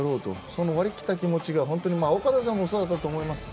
その割り切った気持ちが本当に岡田さんもそうだったと思います。